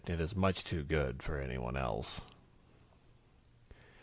it is much too good for anyone else!